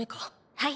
はい。